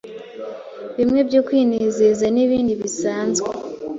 bimwe byo kwinezeza nibindi bisanzwe